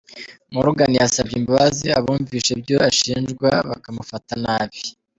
Morgan yasabye imbabazi abumvise ibyo ashinjwa bakamufata nabi.